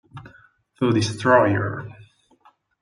The Destroyer